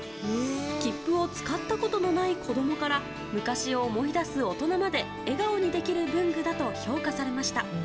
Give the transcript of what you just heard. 切符を使ったことのない子供から昔を思い出す大人まで笑顔にできる文具だと評価されました。